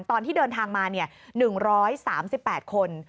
ตอนที่เดินทางมา๑๓๘คน